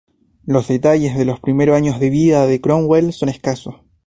Los detalles de los primeros años de vida de Cromwell son escasos.